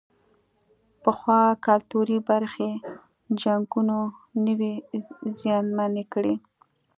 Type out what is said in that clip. پخوا کلتوري برخې جنګونو نه وې زیانمنې کړې.